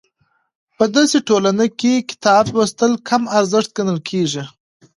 په دسې ټولنه کې کتاب لوستل کم ارزښت ګڼل کېږي.